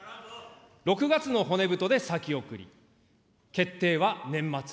６月の骨太で先送り、決定は年末。